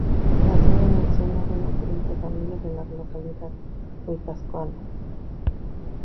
Nacido en el seno de una pudiente familia de la localidad guipuzcoana de Deva.